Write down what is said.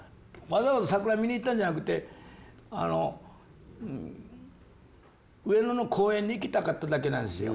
わざわざ桜見に行ったんじゃなくて上野の公園に行きたかっただけなんですよ。